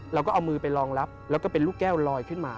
เราก็เอามือไปรองรับแล้วก็เป็นลูกแก้วลอยขึ้นมา